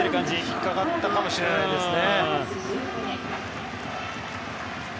引っかかったかもしれないですね。